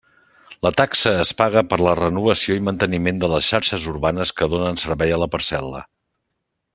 La taxa es paga per la renovació i manteniment de les xarxes urbanes que donen servei a la parcel·la.